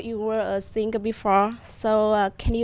chỉ để ủng hộ anh